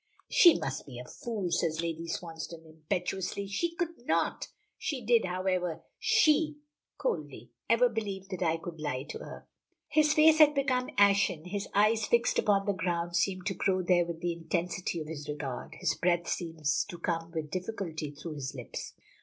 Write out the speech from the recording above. "She must be a fool!" says Lady Swansdown impetuously, "she could not " "She did, however. She," coldly, "even believed that I could lie to her!" His face has become ashen; his eyes, fixed upon the ground, seemed to grow there with the intensity of his regard. His breath seems to come with difficulty through his lips.